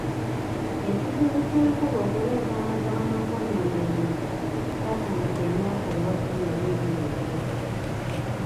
Ekizibu ky’enkuba okuleeta amataba n'okwonoona ebintu kyatandika emyaka nga kkumi oba abiri egiyise.